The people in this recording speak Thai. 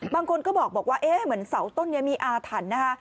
บางคนก็บอกว่าเหมือนเสาต้นนี้มีอาถรรพ์